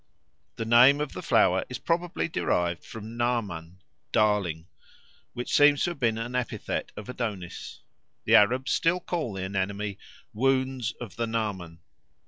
The name of the flower is probably derived from Naaman ("darling"), which seems to have been an epithet of Adonis. The Arabs still call the anemone "wounds of the Naaman."